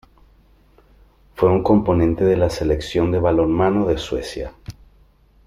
Fue un componente de la selección de balonmano de Suecia.